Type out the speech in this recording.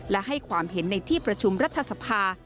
และให้ความเห็นในที่ประชุมรัฐสภา